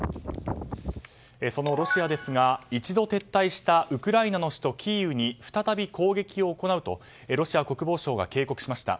そのロシアですが、一度撤退したウクライナの首都キーウに再び攻撃を行うとロシア国防省が警告しました。